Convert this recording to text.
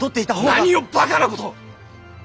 何をバカなことを！